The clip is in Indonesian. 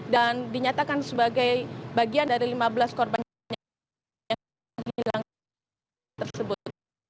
dan dinyatakan sebagai bagian dari lima belas korban yang hilang tersebut